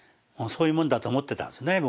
そういうもんだと思ってたんですね